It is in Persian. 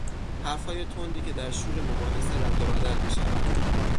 حرفهای تندی که در شور مباحثه رد و بدل میشود